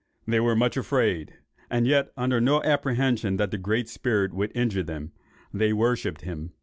They were much afraid, and yet under no apprehension that the Great Spirit would injure them. They worshipped him.